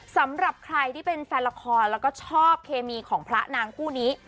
สำหรับใครที่เป็นแฟนละครแล้วก็ชอบเคมีของพระนางคู่นี้